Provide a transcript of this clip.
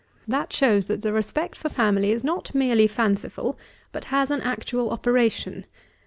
That shows that the respect for family is not merely fanciful, but has an actual operation.